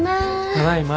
ただいま。